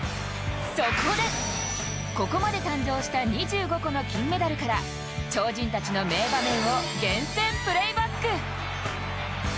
そこで、ここまで誕生した２５個の金メダルから超人たちの名場面を厳選プレーバック。